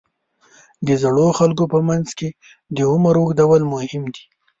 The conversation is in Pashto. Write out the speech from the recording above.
د زړو خلکو په منځ کې د عمر اوږدول مهم دي.